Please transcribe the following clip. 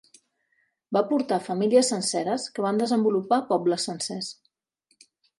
Va portar famílies senceres, que van desenvolupar pobles sencers.